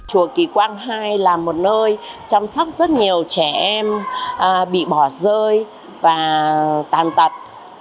chùa kỳ quang hai là một nơi chăm sóc rất nhiều trẻ em bị bỏ rơi và tàn tật